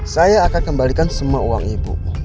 saya akan kembalikan semua uang ibu